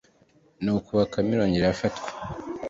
nuko bakame irongera irafatwa.